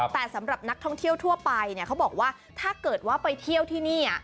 แต่สำหรับนักท่องเที่ยวทั่วไปเนี่ยเขาบอกว่าถ้าเกิดว่าไปเที่ยวที่นี่